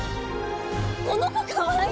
この子かわいい！